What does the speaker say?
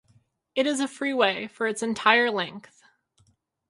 It is a freeway for its entire length.